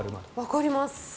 わかります。